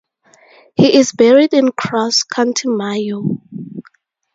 He is buried in Cross, County Mayo.